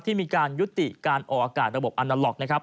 ที่มีการยุติการออกอากาศระบบอาณาล็อกนะครับ